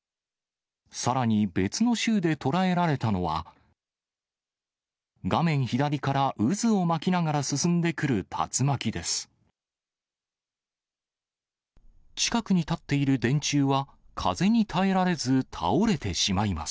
さらに別の州で捉えられたのは、画面左から渦を巻きながら進んでくる竜巻です。